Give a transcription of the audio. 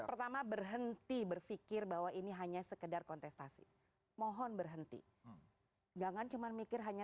pertama berhenti berpikir bahwa ini hanya sekedar kontestasi mohon berhenti jangan cuma mikir hanya